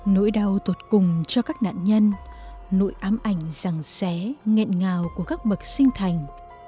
nỗi đau tột cùng cho các nạn nhân nỗi ám ảnh rằng xé nghẹn ngào của các bậc sinh thành